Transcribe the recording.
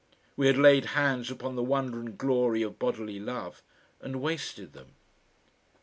We had laid hands upon the wonder and glory of bodily love and wasted them....